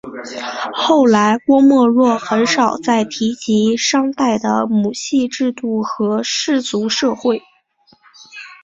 后来郭沫若很少再提及商代的母系制度和氏族社会。